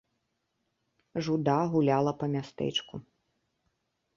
Жуда гуляла па мястэчку.